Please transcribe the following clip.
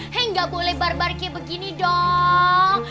eh gak boleh barbar kayak begini dong